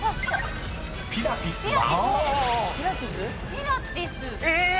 ピラティスえ